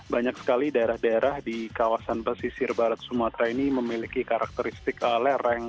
banyak sekali daerah daerah di kawasan pesisir barat sumatera ini memiliki karakteristik lereng